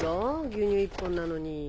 牛乳１本なのに。